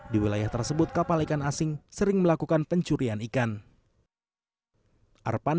di wilayah tersebut kapal ikan asing sering melakukan pencurian ikan